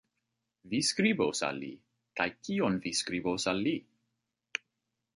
Vi skribos al li! Kaj kion vi skribos al li?